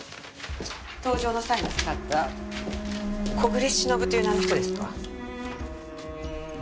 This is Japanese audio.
搭乗の際に使った小暮しのぶという名の人ですか？